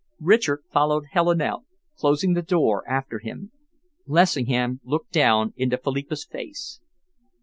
Richard followed Helen out, closing the door after him. Lessingham looked down into Philippa's face.